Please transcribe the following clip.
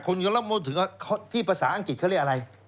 คนคนก็ลองมองถึงว่าที่ภาษาอังกฤษเขาเรียกอะไร